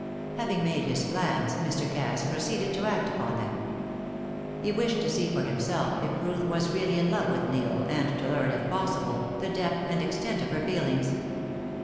Having made his plans, Mr. Cass proceeded to act upon them. He wished to see for himself if Ruth was really in love with Neil, and to learn, if possible, the depth and extent of her feelings.